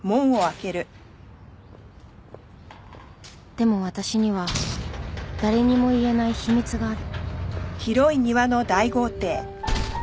でも私には誰にも言えない秘密がある